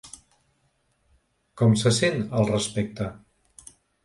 Com se sent al respecte?